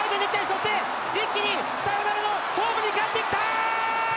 そして一気にサヨナラのホームに帰ってきた！！